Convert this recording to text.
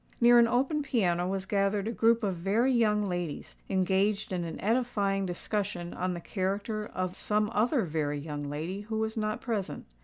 Near an open piano was gathered a group of very young ladies, engaged in an edifying discussion on the character of some other very young lady who was not present.